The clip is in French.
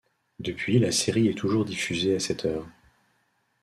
Depuis la série est toujours diffusée à cette heure.